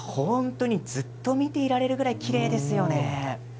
じっと見ていられるくらいきれいですよね。